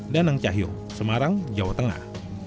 danang cahyo semarang jawa tengah